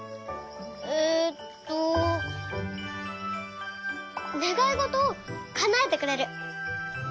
えっとねがいごとをかなえてくれる。